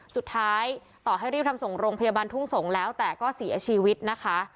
สุดท้ายต่อให้รีบทำส่งโรงพยาบาลทุ่งสงศ์แล้วแต่ก็เสียชีวิตนะคะ